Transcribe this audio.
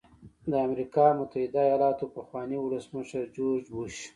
د امریکا متحده ایالاتو پخواني ولسمشر جورج بوش.